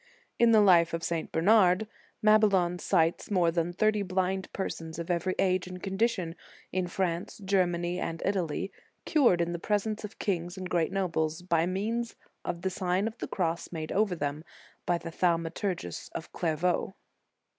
* In the life of St. Bernard, Mabillon cites more than thirty blind persons of every age and condition, in France, Germany, and Italy, cured in the presence of kings and great nobles, by means of the Sign of the Cross, made over them by the Thaumaturgus of Clairvaux.